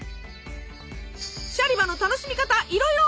シャリバの楽しみ方いろいろ！